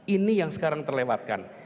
ini yang sekarang terlewatkan